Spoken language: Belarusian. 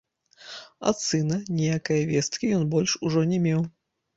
Ад сына ніякае весткі ён больш ужо не меў.